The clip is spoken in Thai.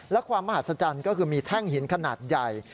และความมหัศจรรย์ก็คือมีแท่งหินขนาดใหญ่